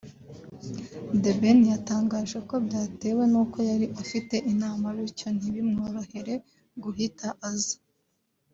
The Ben yatangaje ko byatewe n'uko yari afite inama bityo ntibimworohere guhita aza